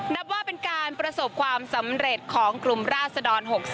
นับว่าเป็นการประสบความสำเร็จของกลุ่มราศดร๖๓